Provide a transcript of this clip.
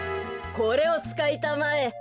これをつかいたまえ。